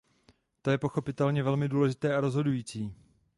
To je pochopitelně velmi důležité a rozhodující.